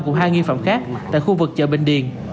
cùng hai nghi phạm khác tại khu vực chợ bình điền